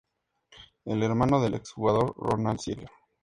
Es hermano del ex jugador Ronald Ziegler.